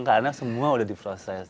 karena semua sudah diproses